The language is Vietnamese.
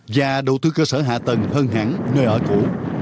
và đầu tư cơ sở hạ tầng hơn hẳn nơi ở cũ